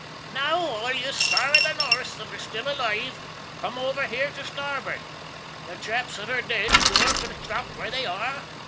"Now all you Star of the Norths that are still alive, come over here to starboard; the chaps that are d'id, sure, can shtop where they are!"